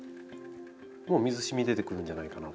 もう水しみ出てくるんじゃないかな。